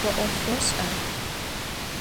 Vo 'of voş'a?